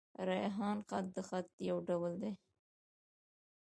ریحان خط؛ د خط يو ډول دﺉ.